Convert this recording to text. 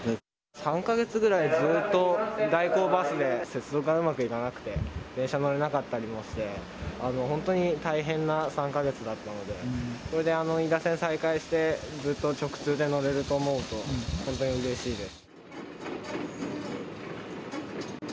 ３か月ぐらいずっと代行バスで接続がうまくいかなくて電車に乗れなかったりして本当に大変な３か月だったのでこれで飯田線、再開してずっと直通で乗れると思うと本当にうれしいです。